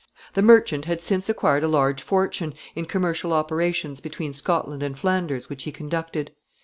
The merchant had since acquired a large fortune in commercial operations between Scotland and Flanders which he conducted.